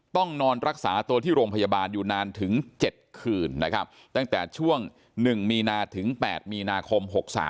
ต้องนอนรักษาตัวที่โรงพยาบาลอยู่นานถึง๗คืนนะครับตั้งแต่ช่วง๑มีนาถึง๘มีนาคม๖๓